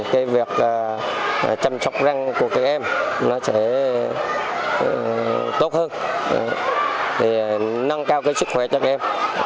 cái việc chăm sóc răng của các em nó sẽ tốt hơn nâng cao sức khỏe cho các em